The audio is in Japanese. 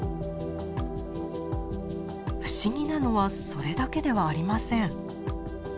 不思議なのはそれだけではありません。